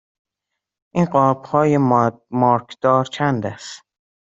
این قاب های مارکدار چند است؟